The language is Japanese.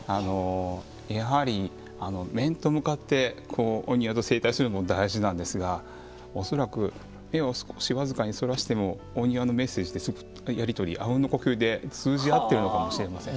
やはり、面と向かってお庭と正対するのも大事なんですが恐らく目を少し僅かにそらしてもお庭のメッセージやり取り、あうんの呼吸で通じ合っているのかもしれません。